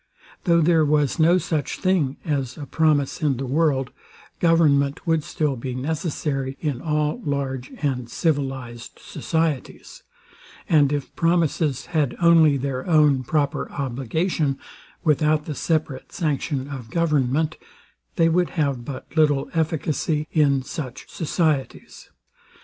Though there was no such thing as a promise in the world, government would still be necessary in all large and civilized societies; and if promises had only their own proper obligation, without the separate sanction of government, they would have but little efficacy in such societies.